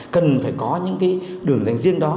cần phải có những đường dành riêng đó